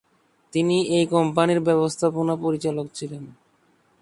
তিনি এই কোম্পানির ব্যবস্থাপনা পরিচালক ছিলেন।